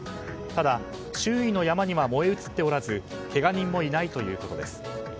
ただ周囲の山には燃え移っておらずけが人もいないということです。